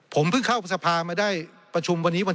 ผมเพิ่งเข้าสภามาได้ประชุมวันนี้วัน